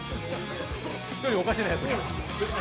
１人おかしなやつが。